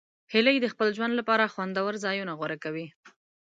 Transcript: هیلۍ د خپل ژوند لپاره خوندور ځایونه غوره کوي